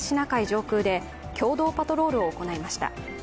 上空で共同パトロールを行いました。